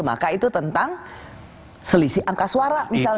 maka itu tentang selisih angka suara misalnya